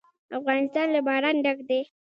افغانستان له باران ډک دی.